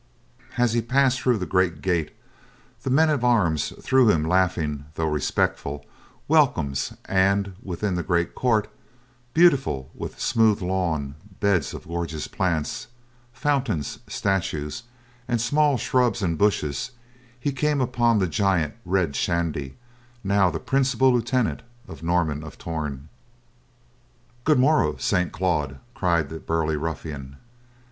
As he passed in through the great gate, the men at arms threw him laughing, though respectful, welcomes and within the great court, beautified with smooth lawn, beds of gorgeous plants, fountains, statues and small shrubs and bushes, he came upon the giant, Red Shandy, now the principal lieutenant of Norman of Torn. "Good morrow, Saint Claude!" cried the burly ruffian.